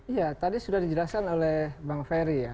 iya tadi sudah dijelaskan oleh bang ferry ya